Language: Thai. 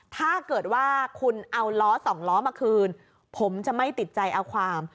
ถ้าเกิดว่าคุณเอาล้อสองล้อมาคืนผมจะไม่ติดใจเอาความ